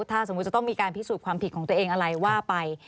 ถ้าสมมุติจะต้องมีการพิสูจน์ความผิดของตัวเองอะไรว่าไป